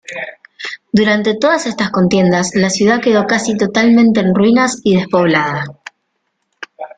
Durante todas estas contiendas, la ciudad quedó casi totalmente en ruinas y despoblada.